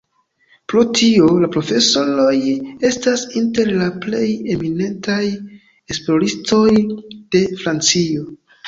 Pro tio, la profesoroj estas inter la plej eminentaj esploristoj de Francio.